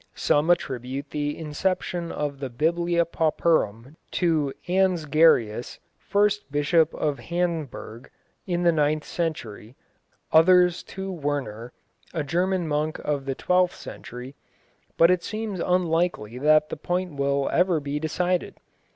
Some attribute the inception of the Biblia Pauperum to Ansgarius, first Bishop of Hamburg, in the ninth century, others to Wernher, a German monk of the twelfth century, but it seems unlikely that the point will ever be decided.